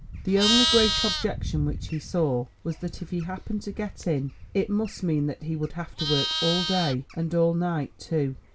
The only great objection which he saw, was that if he happened to get in, it must mean that he would have to work all day and all night too.